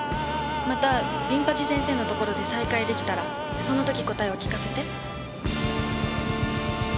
またビン八先生のところで再会できたらその時答えを聞かせて。